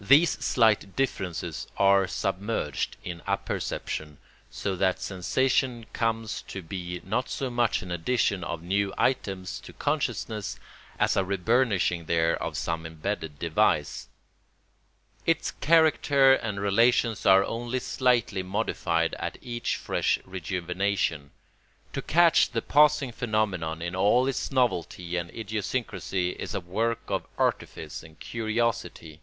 These slight differences are submerged in apperception, so that sensation comes to be not so much an addition of new items to consciousness as a reburnishing there of some imbedded device. Its character and relations are only slightly modified at each fresh rejuvenation. To catch the passing phenomenon in all its novelty and idiosyncrasy is a work of artifice and curiosity.